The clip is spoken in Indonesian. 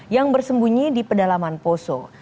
yang bersembunyi di pedalaman poso